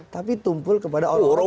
tapi tumpul kepada orang orang